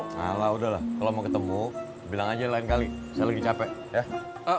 salah udah lah kalau mau ketemu bilang aja lain kali saya lagi capek ya